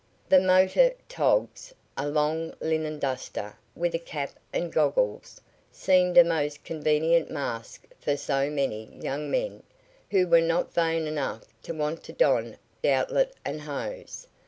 Then motor "togs" a long linen duster, with a cap and goggles seemed a most convenient mask for so many young men, who were not vain enough to want to don doublet and hose.